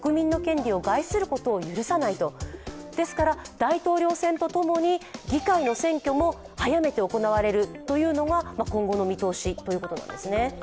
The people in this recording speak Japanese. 大統領選とともに議会の選挙も早めて行われるというのが今後の見通しということなんですね。